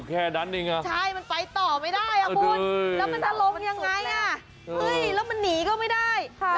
และมันสาลงนี่ก็ไม่ได้